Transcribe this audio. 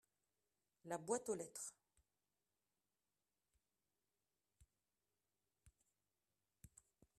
La boîte aux lettres.